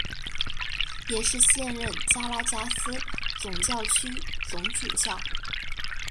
也是现任加拉加斯总教区总主教。